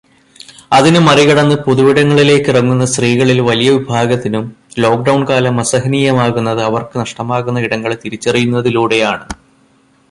അതിനെ മറികടന്ന് പൊതുവിടങ്ങളിലേക്കിറങ്ങുന്ന സ്ത്രീകളിൽ വലിയ വിഭാഗത്തിനും ലോക്ക്ഡൗൺ കാലം അസഹനീയമാകുന്നത് അവർക്ക് നഷ്ടമാകുന്ന ഇടങ്ങളെ തിരിച്ചറിയുന്നതിലൂടെയാണ്.